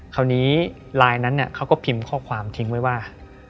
คราวนี้ไลน์ก็พิมพ์ข้อความทิ้งไว้ว่า